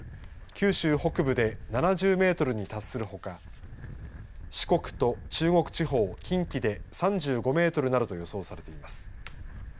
九州北部で７０メートルに達するほか四国と中国地方、近畿で３５メートルなどと予想されています。